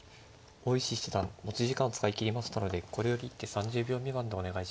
大石七段持ち時間を使い切りましたのでこれより一手３０秒未満でお願いします。